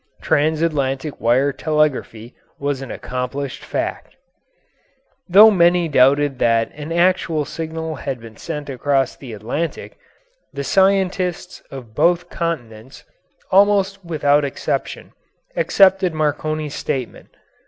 Transatlantic wireless telegraphy was an accomplished fact. Though many doubted that an actual signal had been sent across the Atlantic, the scientists of both continents, almost without exception, accepted Marconi's statement.